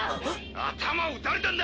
頭を撃たれたんだ。